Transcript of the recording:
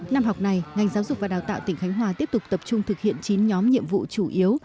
năm học này ngành giáo dục và đào tạo tỉnh khánh hòa tiếp tục tập trung thực hiện chín nhóm nhiệm vụ chủ yếu